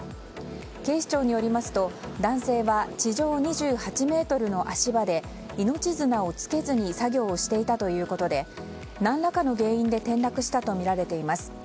警視庁によりますと男性は地上２８ｍの足場で命綱をつけずに作業をしていたということで何らかの原因で転落したとみられています。